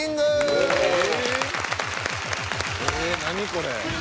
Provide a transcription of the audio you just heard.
これ。